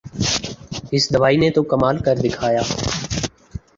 اس دوائی نے تو کمال کر دکھایا